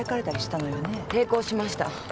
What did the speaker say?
抵抗しました。